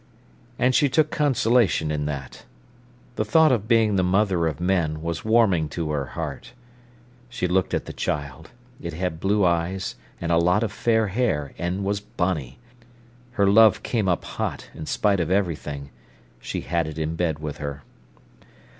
And she took consolation in that. The thought of being the mother of men was warming to her heart. She looked at the child. It had blue eyes, and a lot of fair hair, and was bonny. Her love came up hot, in spite of everything. She had it in bed with her.